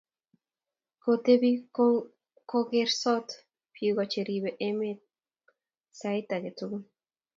kotebi kogersot biko cheribe emet sait age tugul